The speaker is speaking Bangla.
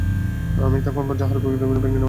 আমি তখন পাহাড়ের গিরিপথ ভেঙে নেমে আসছিলাম।